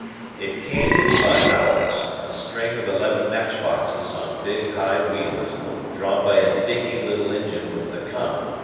It came in five hours, a string of eleven match boxes on big, high wheels, drawn by a dinky little engine with the "con."